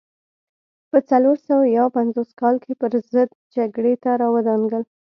په څلور سوه یو پنځوس کال کې پرضد جګړې ته را ودانګل.